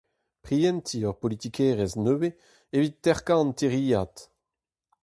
Prientiñ ur politikerezh nevez evit terkañ an tiriad.